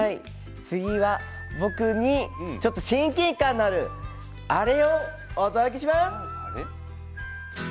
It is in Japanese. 次は僕に親近感のあるあれをお届けします。